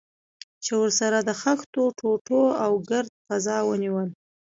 چې ورسره د خښتو ټوټو او ګرد فضا ونیول.